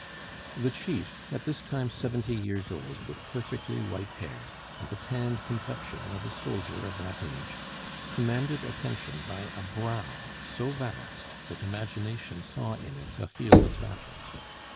The chief, at this time seventy years old, with perfectly white hair, and the tanned complexion of a soldier of that age, commanded attention by a brow so vast that imagination saw in it a field of battle.